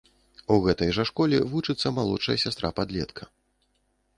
У гэтай жа школе вучыцца малодшая сястра падлетка.